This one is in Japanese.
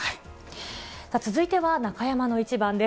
続いては中山のイチバンです。